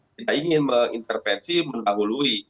kita ingin mengintervensi menabului